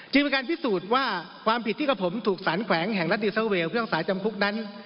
เป็นการพิสูจน์ว่าความผิดที่กับผมถูกสารแขวงแห่งรัฐดิวเซอร์เวลเครื่องสายจำคุกนั้น